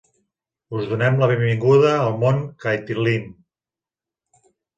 Us donem la benvinguda al món Caitlyn.